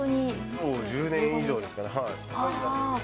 もう１０年以上ですかね、はぁー！